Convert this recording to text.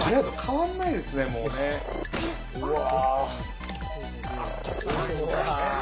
うわ。